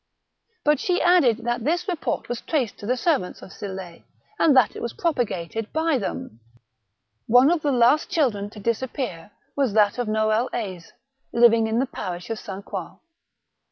But she added that this report was traced to the servants of Sill6, and that it was propagated by them. THE MARiCHAL DE RETZ. 201 One of the last children to disappear was that of Noel Aise, living in the parish of S. Croix.